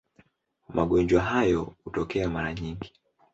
Magonjwa hayo hutokea mara nyingi.